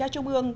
ubkt trung ương